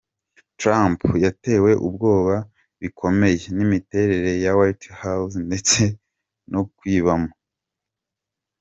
Trump yatewe ubwoba bikomeye n’imiterere ya White House ndetse no kuyibamo.